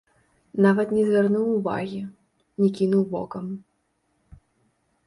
Нават не звярнуў увагі, не кінуў вокам.